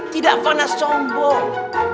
tidak pernah sombong